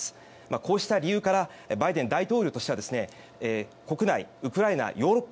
こうした理由からバイデン大統領としては国内、ウクライナ、ヨーロッパ